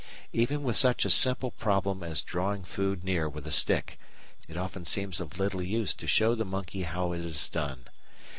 Even with such a simple problem as drawing food near with a stick, it often seems of little use to show the monkey how it is done.